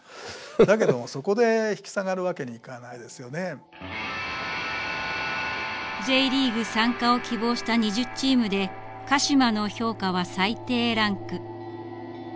だけどもそこでＪリーグ参加を希望した２０チームで鹿島の評価は最低ランク。